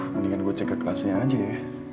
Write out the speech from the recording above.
mendingan gue cek ke kelasnya aja ya